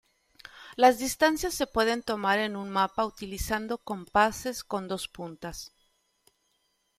Las distancias se pueden tomar en un mapa utilizando compases con dos puntas.